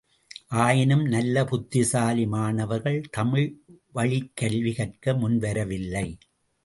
ஆயினும் நல்ல புத்திசாலி மாணவர்கள் தமிழ் வழிக்கல்வி கற்க முன்வரவில்லை.